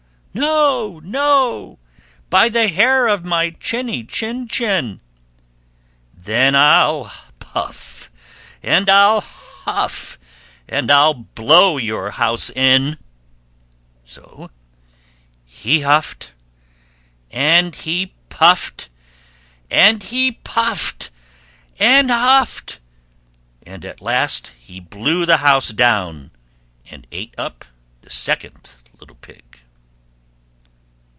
"No, no, by the hair of my chinny chin chin." "Then I'll puff and I'll huff, and I'll blow your house in!" So he huffed and he puffed, and he puffed and he huffed, and at last he blew the house down, and ate up the second little Pig.